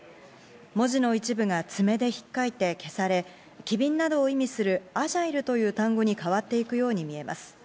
文字の一部が爪でひっかいて消され、機敏などを意味するＡＧＩＬＥという単語に変わっていくように見えます。